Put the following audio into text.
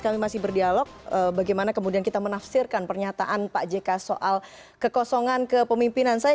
kami masih berdialog bagaimana kemudian kita menafsirkan pernyataan pak jk soal kekosongan kepemimpinan saya